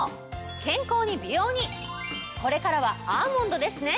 健康に美容にこれからはアーモンドですね！